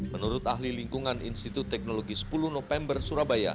menurut ahli lingkungan institut teknologi sepuluh november surabaya